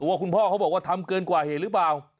ว่าคุณพ่อเขาบอกว่าทำเกินกว่าเหตุหรือเปล่า